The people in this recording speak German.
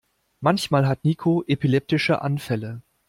Manchmal hat Niko epileptische Anfälle.